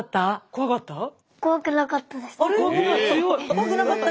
怖くなかった？